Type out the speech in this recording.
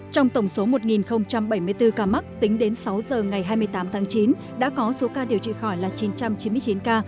trong tổng số một bảy mươi bốn ca mắc tính đến sáu giờ ngày hai mươi tám tháng chín đã có số ca điều trị khỏi là chín trăm chín mươi chín ca